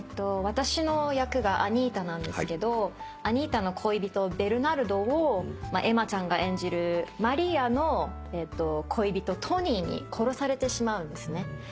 私の役がアニータなんですけどアニータの恋人ベルナルドをエマちゃんが演じるマリアの恋人トニーに殺されてしまうんですね。